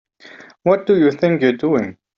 What do you think you're doing?